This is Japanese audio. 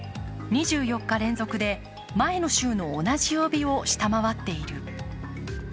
２４日連続で前の週の同じ曜日を下回っている。